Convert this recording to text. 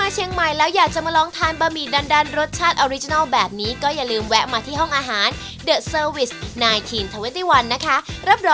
อ่ามาไม่ยากนะถ้าใครรู้จักนะครับผมมาไม่ยากนะครับ